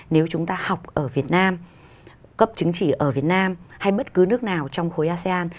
nếu chúng ta học ở việt nam cấp chứng chỉ ở việt nam hay bất cứ nước nào trong khối asean